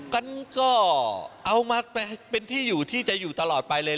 กันก็เอามาเป็นที่อยู่ที่จะอยู่ตลอดไปเลย